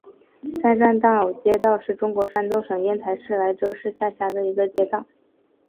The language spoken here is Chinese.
三山岛街道是中国山东省烟台市莱州市下辖的一个街道。